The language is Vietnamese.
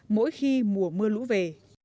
mỗi khi mùa mưa lũ về